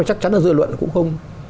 thì chắc chắn là dư luận cũng không